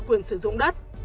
quyền sử dụng đất